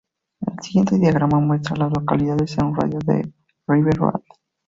El siguiente diagrama muestra a las localidades en un radio de de River Road.